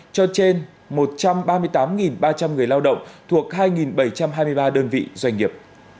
cho trên một trăm ba mươi tám ba trăm linh người lao động thuộc hai bảy trăm hai mươi ba đơn vị doanh nghiệp